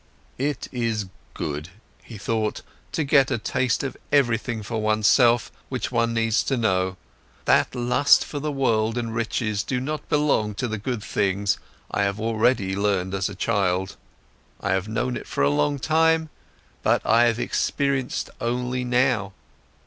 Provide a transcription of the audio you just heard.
"It is good," he thought, "to get a taste of everything for oneself, which one needs to know. That lust for the world and riches do not belong to the good things, I have already learned as a child. I have known it for a long time, but I have experienced only now.